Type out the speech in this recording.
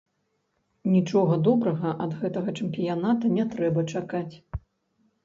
Нічога добрага ад гэтага чэмпіяната не трэба чакаць.